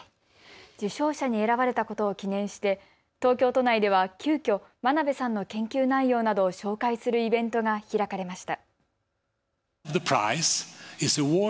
受賞者に選ばれたことを記念して東京都内では急きょ真鍋さんの研究内容などを紹介するイベントが開かれました。